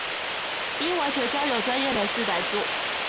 應完全交由專業人士來做